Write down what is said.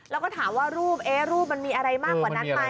แล้วก็ถามว่ารูปรูปมันมีอะไรมากกว่านั้นไหม